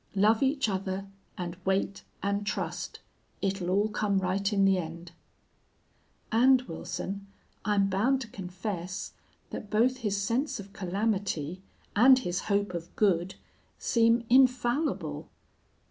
Love each other and wait and trust! It'll all come right in the end!'... And, Wilson, I'm bound to confess that both his sense of calamity and his hope of good seem infallible.